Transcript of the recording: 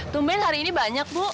tumben hari ini banyak bu